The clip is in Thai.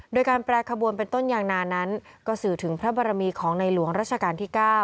โดยการแปรขบวนเป็นต้นยางนานั้นก็สื่อถึงพระบรมีของในหลวงราชการที่๙